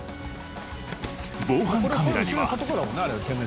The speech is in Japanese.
防犯カメラには。